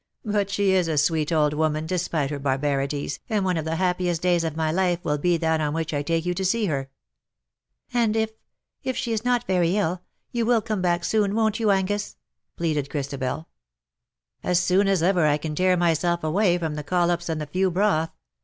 "* But she is a sweet old woman, despite her barbarities, and one of the happiest days of my life will be that on which I take you to sec her.^^ '^ And if — if she is not very ill, you w^ill come back soon, won^'t you, Angus,^^ pleaded Christabel. " As soon as ever I can tear myself away from the collops and the few broth.